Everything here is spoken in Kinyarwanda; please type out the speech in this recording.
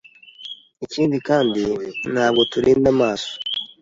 ikindi kandi ntabwo turinda amaso.